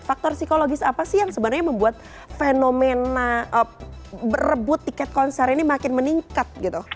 faktor psikologis apa sih yang sebenarnya membuat fenomena berebut tiket konser ini makin meningkat gitu